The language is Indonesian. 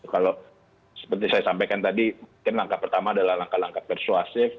kalau seperti saya sampaikan tadi mungkin langkah pertama adalah langkah langkah persuasif